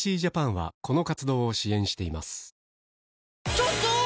ちょっとー！